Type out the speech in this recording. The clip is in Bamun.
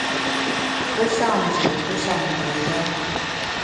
Pe sham nzùm, pe sham nga yâ.